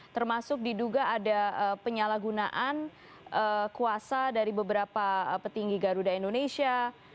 termasuk diduga ada penyalahgunaan kuasa dari beberapa petinggi garuda indonesia